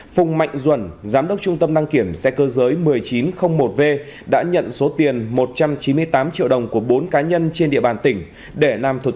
phùng mạnh duẩn giám đốc trung tâm đăng kiểm xe cơ giới một nghìn chín trăm linh một v đã nhận số tiền một trăm chín mươi tám triệu đồng của bốn cá nhân trên địa bàn tỉnh